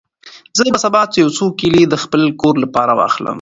زه به سبا یو څو کیلې د خپل کور لپاره واخلم.